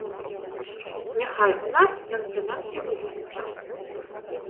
Няхай у нас ён прынамсі выспіцца.